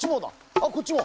あっこっちも。